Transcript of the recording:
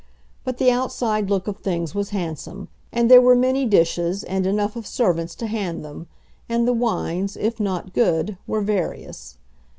But the outside look of things was handsome, and there were many dishes, and enough of servants to hand them, and the wines, if not good, were various.